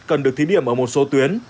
cần được thí điểm ở một số tuyến